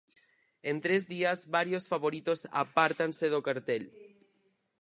En tres días varios favoritos apártanse do cartel.